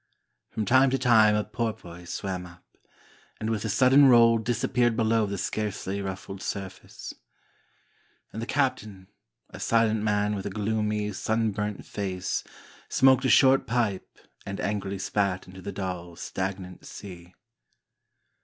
From time to time a porpoise swam up, and with a sudden roll disappeared below the scarcely ruffled surface. And the captain, a silent man with a gloomy, sunburnt face, smoked a short pipe and angrily spat into the dull, stagnant sea.